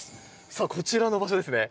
さあこちらの場所ですね